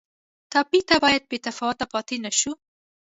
ټپي ته باید بې تفاوته پاتې نه شو.